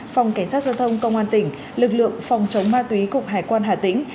phòng cảnh sát giao thông công an tỉnh lực lượng phòng chống ma túy cục hải quan hà tĩnh